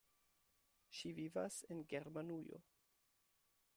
Ŝi vivas en Germanujo.